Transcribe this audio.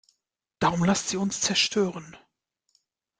Darum lasst sie uns zerstören!